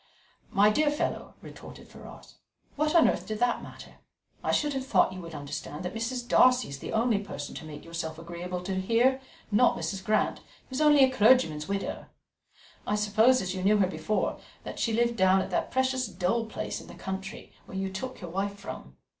"My dear fellow," retorted Ferrars, "what on earth did that matter? I should have thought you would understand that Mrs. Darcy is the person to make yourself agreeable to here, not Mrs. Grant, who is only a clergyman's widow. I suppose, as you knew her before, that she lived down at that precious dull place in the country, where you took your wife from."